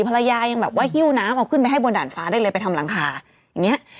ภรรยายังแบบว่าหิ้วน้ำเอาขึ้นไปให้บนด่านฟ้าได้เลยไปทำหลังคาอย่างนี้